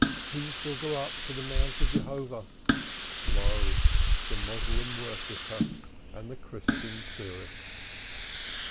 "Who shall go up into the Mount of Jehovah." Lo, the Moslem worshipper and the Christian tourist.